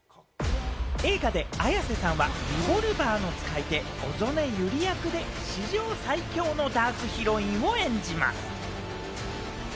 映画で綾瀬さんはリボルバーの使い手・小曾根百合役で史上最悪のダークヒロインを演じます。